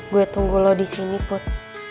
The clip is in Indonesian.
gue tunggu lo disini put